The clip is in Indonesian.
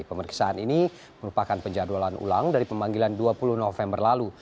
pemeriksaan ini merupakan penjadwalan ulang dari pemanggilan dua puluh november lalu